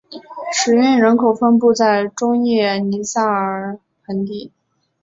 使用人口分布在中叶尼塞河盆地。